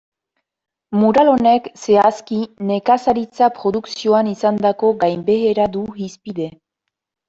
Mural honek, zehazki, nekazaritza produkzioan izandako gainbehera du hizpide.